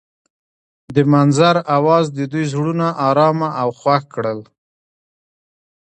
د منظر اواز د دوی زړونه ارامه او خوښ کړل.